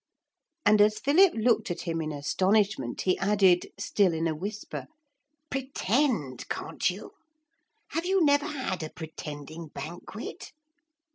and as Philip looked at him in astonishment he added, still in a whisper, 'Pretend, can't you? Have you never had a pretending banquet?'